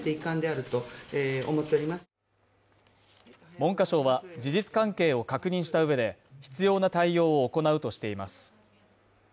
文科省は事実関係を確認した上で、必要な対応を行うとしています。